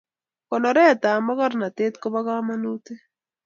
Konoret tab makarnatet koba kamanutik